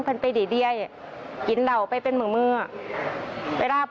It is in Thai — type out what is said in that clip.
แต่ว่า